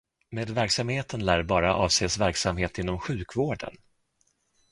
Med verksamheten lär bara avses verksamhet inom sjukvården.